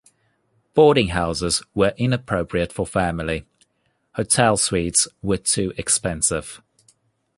Boarding houses were inappropriate for family; hotel suites were too expensive.